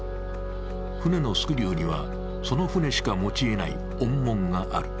船のスクリューには、その船しか用いない音紋がある。